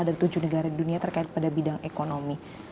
dari tujuh negara di dunia terkait pada bidang ekonomi